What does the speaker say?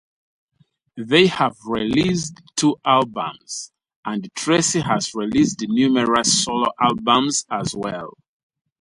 They have released two albums and Tracy has released numerous solo albums as well.